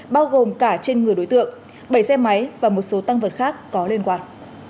bao gồm cả trên người đối tượng bảy xe máy và một số tăng vật khác có liên quan